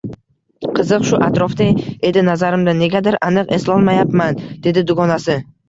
Qiziq, shu atrofda edi nazarimda, negadir aniq eslolmayapman, dedi dugonasi